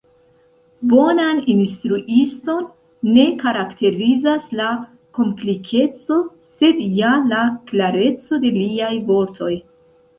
Bonan instruiston ne karakterizas la komplikeco, sed ja la klareco de liaj vortoj!